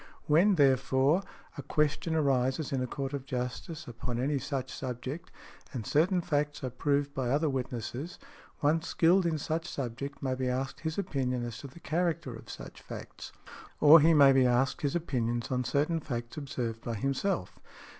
When, therefore, a question arises in a court of justice upon any such subject, and certain facts are proved by other witnesses, one skilled in such subject may be asked his opinion as to the character of such facts; or he may be asked his opinions on certain facts observed by himself.